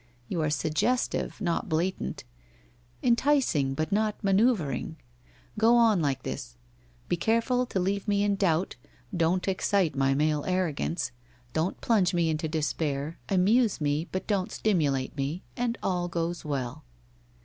You are sug gestive, not blatant; enticing, but not manoeuvring. Go on like this. Be careful to leave me in doubt, don't excite my male arrogance, don't plunge me into despair, amuse me, but don't stimulate me, and all goes well.'